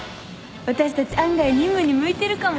私たち案外任務に向いてるかも。